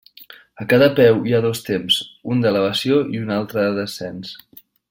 A cada peu hi ha dos temps, un d'elevació i un altre de descens.